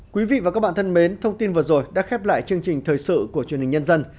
quý vị và các bạn thân mến thông tin vừa rồi đã khép lại chương trình thời sự của truyền hình nhân dân